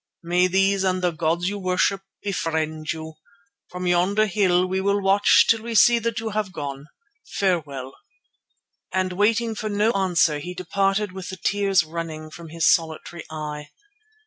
May these and the gods you worship befriend you. From yonder hill we will watch till we see that you have gone. Farewell," and waiting for no answer, he departed with the tears running from his solitary eye.